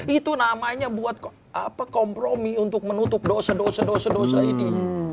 itu namanya buat kompromi untuk menutup dosa dosa dosa dosa ini